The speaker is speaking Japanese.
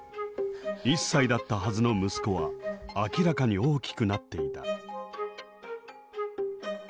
１歳だったはずの息子は明らかに大きくなっていた。